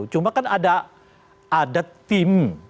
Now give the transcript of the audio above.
cuma kan ada tim